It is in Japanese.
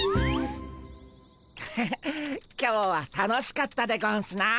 ハハッ今日は楽しかったでゴンスな。